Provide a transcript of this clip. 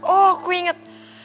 oh aku inget